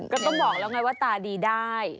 ก็ต้องบอกแล้วไงว่าตาดีได้